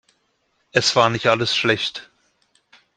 Es war nicht alles schlecht.